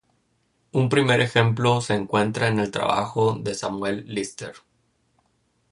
Un primer ejemplo se encuentra en el trabajo de Samuel Lister.